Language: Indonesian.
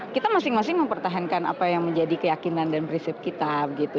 kita masing masing mempertahankan apa yang menjadi keyakinan dan prinsip kita gitu